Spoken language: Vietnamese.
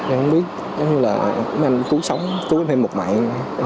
em không biết em cứu sống cứu em thêm một mạng